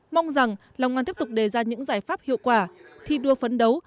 mong rằng long an tiếp tục đề ra những giải pháp hiệu quả thi đua phấn đấu